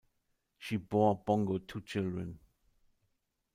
She bore Bongo two children.